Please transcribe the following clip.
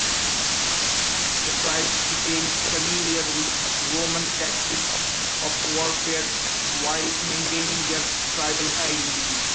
The tribes became familiar with Roman tactics of warfare while maintaining their tribal identity.